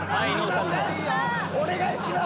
お願いします！